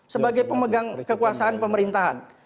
sebagai pemegang kekuasaan pemerintahan